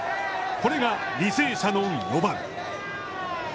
これが履正社の４番。